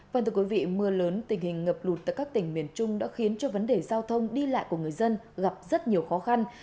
vâng thưa quý vị mưa lớn tình hình ngập lụt tại các tỉnh miền trung đã khiến cho vấn đề giao thông đi lại của người dân gặp rất nhiều khó khăn